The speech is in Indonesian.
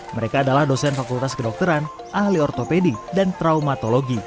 mereka adalah dosen fakultas kedokteran ahli ortopedi dan traumatologi